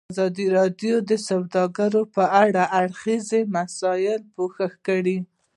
ازادي راډیو د سوداګري په اړه د هر اړخیزو مسایلو پوښښ کړی.